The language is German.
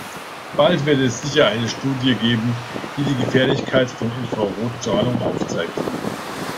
Bald wird es sicher eine Studie geben, die die Gefährlichkeit von Infrarotstrahlung aufzeigt.